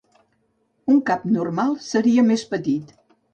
Un cap normal seria més petit.